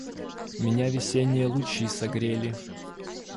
Меня весенние лучи согрели.